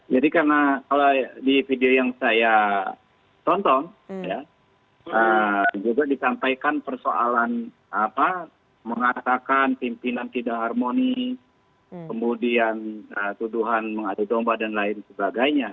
jadi karena kalau di video yang saya tonton ya juga disampaikan persoalan apa mengatakan pimpinan tidak harmoni kemudian tuduhan mengatur domba dan lain sebagainya